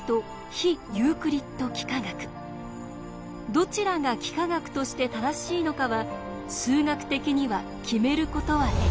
どちらが幾何学として正しいのかは数学的には決めることはできない。